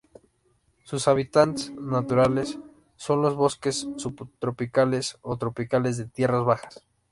Sus hábitats naturales son los bosques subtropicales o tropicales de tierras bajas.